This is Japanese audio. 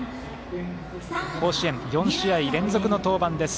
甲子園４試合連続の登板です。